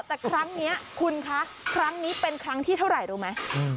แต่ครั้งนี้คุณคะครั้งนี้เป็นครั้งที่เท่าไหร่รู้ไหม